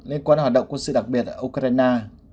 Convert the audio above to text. liên quan hoạt động quân sự đặc biệt ở ukraine